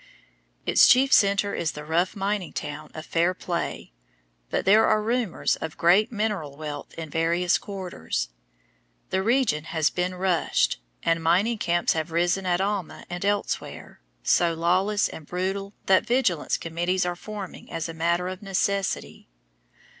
Its chief center is the rough mining town of Fairplay, but there are rumors of great mineral wealth in various quarters. The region has been "rushed," and mining camps have risen at Alma and elsewhere, so lawless and brutal that vigilance committees are forming as a matter of necessity.